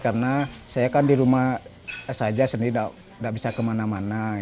karena saya kan di rumah saja sendiri tidak bisa kemana mana